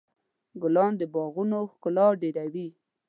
ګلان د باغونو ښکلا ډېروي.